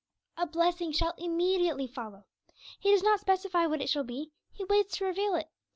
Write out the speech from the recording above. A blessing shall immediately follow. He does not specify what it shall be; He waits to reveal it.